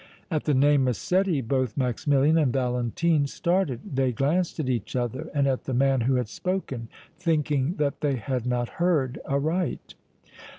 At the name Massetti both Maximilian and Valentine started; they glanced at each other and at the man who had spoken, thinking that they had not heard aright.